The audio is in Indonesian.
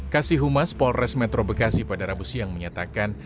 kasih humas polres metro bekasi pada rabu siang menyatakan